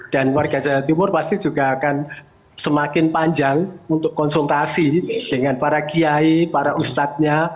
dan warga jawa timur pasti juga akan semakin panjang untuk konsultasi dengan para kiai para ustadznya